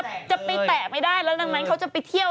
จะไปแตะไม่ได้แล้วดังนั้นเขาจะไปเที่ยว